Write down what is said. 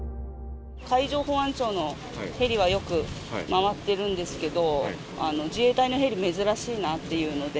海上保安庁のヘリはよく回ってるんですけど、自衛隊のヘリ、珍しいなっていうので。